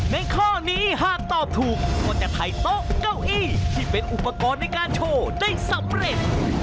ข้อนี้หากตอบถูกก็จะถ่ายโต๊ะเก้าอี้ที่เป็นอุปกรณ์ในการโชว์ได้สำเร็จ